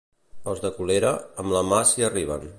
Els de Colera, amb la mà s'hi arriben.